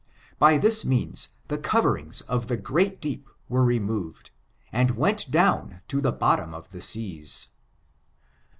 By this means the eoveringe of the great deep were removed, and went down to the bottom of the seas.